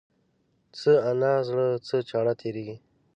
څه انا زړه ، څه چاړه تيره.